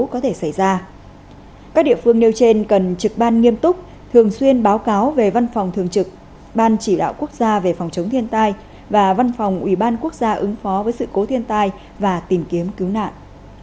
các địa phương nêu trên cần trực ban nghiêm túc thường xuyên báo cáo về văn phòng thường trực ban chỉ đạo quốc gia về phòng chống thiên tai và văn phòng ủy ban quốc gia ứng phó với sự cố thiên tai và tìm kiếm cứu nạn